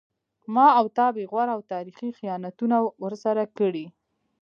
ما و تا بې غوره او تاریخي خیانتونه ورسره کړي